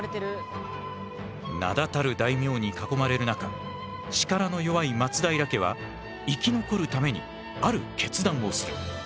名だたる大名に囲まれる中力の弱い松平家は生き残るためにある決断をする。